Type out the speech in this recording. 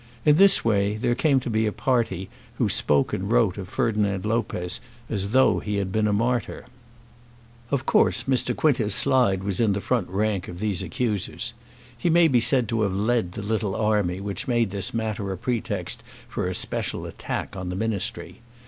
In this way there came to be a party who spoke and wrote of Ferdinand Lopez as though he had been a martyr. Of course Mr. Quintus Slide was in the front rank of these accusers. He may be said to have led the little army which made this matter a pretext for a special attack upon the Ministry.